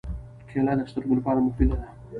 کېله د سترګو لپاره مفیده ده.